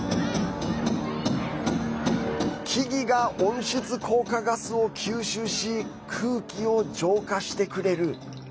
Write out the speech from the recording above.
木々が温室効果ガスを吸収し空気を浄化してくれる。